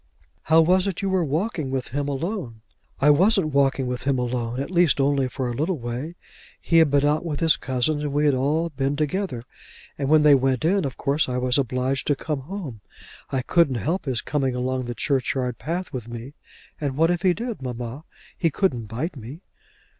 How was it you were walking with him alone?" "I wasn't walking with him alone; at least only for a little way. He had been out with his cousins and we had all been together, and when they went in, of course I was obliged to come home. I couldn't help his coming along the churchyard path with me. And what if he did, mamma? He couldn't bite me."